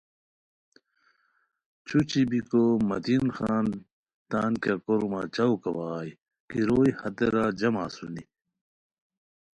چھوچی بیکو متین خان تان کیہ کورمہ چوکہ بغائے کی روئے ہتیرا جمع اسونی